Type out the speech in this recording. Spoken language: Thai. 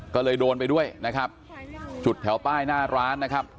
ก็เลยโดนไปด้วยนะครับจุดแถวป้ายหน้าร้านนะครับ